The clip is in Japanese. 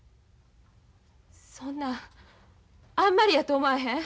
そんなんあんまりやと思わへん？